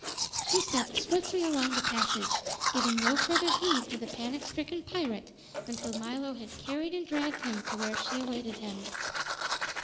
She stepped swiftly along the passage, giving no further heed to the panic stricken pirate until Milo had carried and dragged him to where she awaited him.